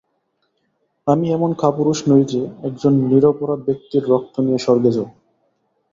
আমি এমন কাপুরুষ নই যে, একজন নিরপরাধ ব্যক্তির রক্ত নিয়ে স্বর্গে যাব।